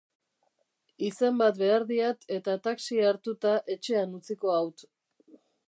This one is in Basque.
Izen bat behar diat eta taxia hartuta etxean utziko haut.